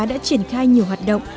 đã triển khai nhiều hoạt động